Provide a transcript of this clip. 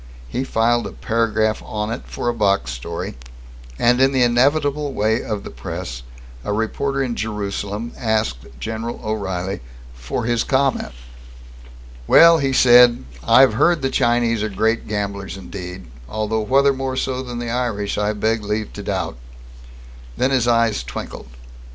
He filed a paragraph on it for a box story and, in the inevitable way of the press, a reporter in Jerusalem asked General O'Reilly for his comment. "Well," he said, "I've heard the Chinese are great gamblers indeed, although whether more so than the Irish I beg leave to doubt." Then his eyes twinkled.